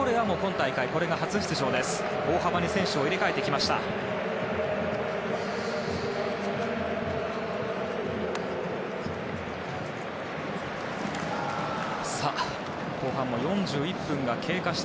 大幅に選手を入れ替えてきました。